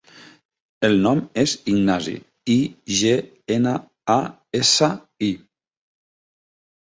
El nom és Ignasi: i, ge, ena, a, essa, i.